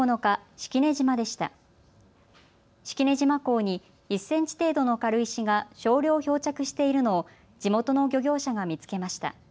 式根島港に１センチ程度の軽石が少量漂着しているのを地元の漁業者が見つけました。